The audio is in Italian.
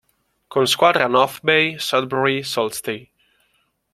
Con squadre a North Bay, Sudbury, Sault Ste.